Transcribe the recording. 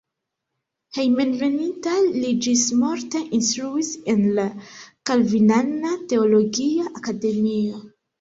Hejmenveninta li ĝismorte instruis en la kalvinana teologia akademio.